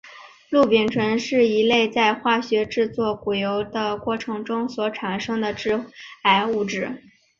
氯丙醇是一类在化学制作豉油的过程中所产生的致癌物质。